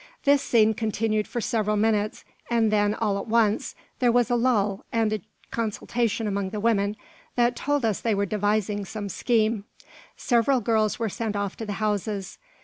This scene continued for several minutes; and then, all at once, there was a lull, and a consultation among the women, that told us they were devising some scheme. Several girls were sent off to the houses.